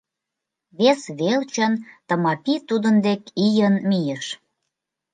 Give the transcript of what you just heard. Вес велчын Тымапи тудын дек ийын мийыш.